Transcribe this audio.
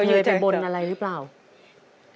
เกิดไปบนอะไรหรือเปล่าอยู่เถอะ